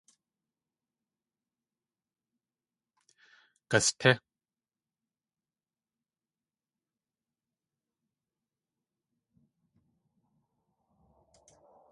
Gastí!